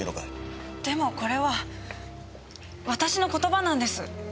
でもこれは私の言葉なんです。